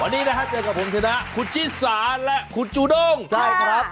วันนี้นะฮะเจอกับผมชนะคุณชิสาและคุณจูด้งใช่ครับ